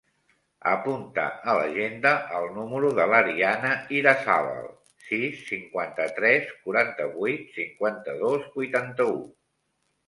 Apunta a l'agenda el número de l'Ariana Irazabal: sis, cinquanta-tres, quaranta-vuit, cinquanta-dos, vuitanta-u.